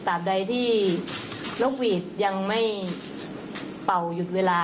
ตามใดที่นกหวีดยังไม่เป่าหยุดเวลา